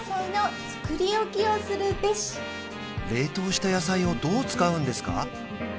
冷凍した野菜をどう使うんですか？